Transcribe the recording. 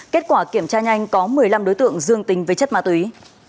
kết quả kiểm tra nhanh có một mươi năm đối tượng dương tình với chất ma túy